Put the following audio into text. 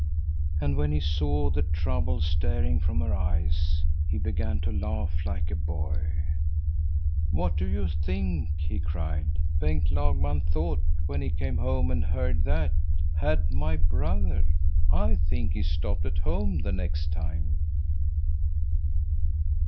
And when he saw the trouble staring from her eyes, he began to laugh like a boy. "What do you think," he cried, "Bengt Lagman thought when he came home and heard that 'Had my brother?' I think he stopped at home the next time."